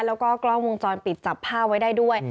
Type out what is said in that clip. แล้วก็กล้องวงจรปิดจับผ้าไว้ได้ด้วย